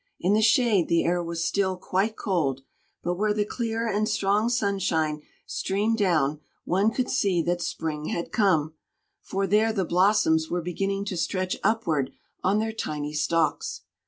In the shade the air was still quite cold; but where the clear and strong sunshine streamed down, one could see that spring had come, for there the blossoms were beginning to stretch upward on their tiny stalks.